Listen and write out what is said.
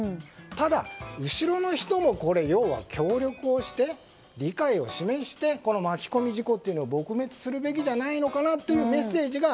ただ、後ろの人も要は協力をして理解を示して巻き込み事故というのを撲滅するべきじゃないのかというメッセージが。